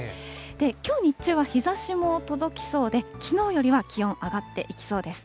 きょう日中は日ざしも届きそうで、きのうよりは気温、上がっていきそうです。